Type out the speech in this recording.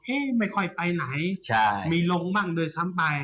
เฮ้ยไม่ค่อยไปไหนไม่ลงมั่งเลยซ้ำไป